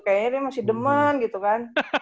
kayaknya dia masih deman gitu kan